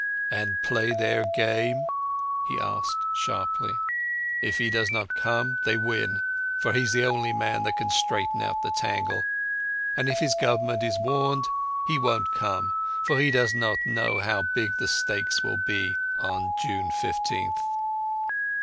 "And play their game?" he asked sharply. "If he does not come they win, for he's the only man that can straighten out the tangle. And if his Government are warned he won't come, for he does not know how big the stakes will be on June the 15th."